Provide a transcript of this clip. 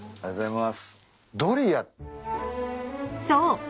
［そう。